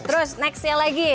terus nextnya lagi